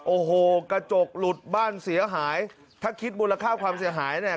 โอ้โหกระจกหลุดบ้านเสียหายถ้าคิดมูลค่าความเสียหายเนี่ย